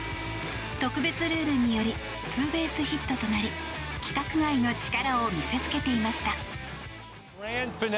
特別ルールによりツーベースヒットとなり規格外の力を見せつけていました。